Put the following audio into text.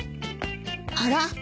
あら？